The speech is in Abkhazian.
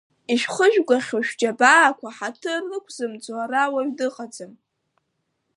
Ишәхыжәгахьоу шәџьабаақәа ҳаҭыр рықәзымҵо ара уаҩ дыҟаӡам.